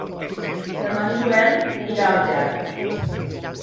Demà en Joel irà al teatre.